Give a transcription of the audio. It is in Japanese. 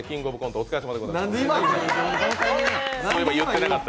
お疲れさまでございました。